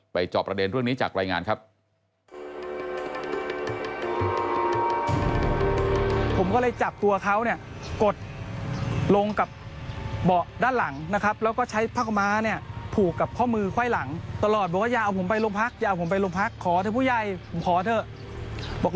จอบประเด็นเรื่องนี้จากรายงานครับ